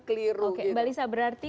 keliru oke mbak lisa berarti